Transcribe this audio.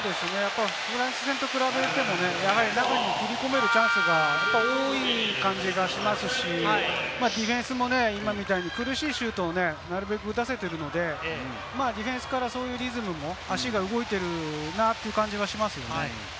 フランス戦と比べても、中に切り込めるチャンスが多い感じがしますし、ディフェンスも苦しいシュートをなるべく打たせているので、ディフェンスから足が動いているなという感じがします。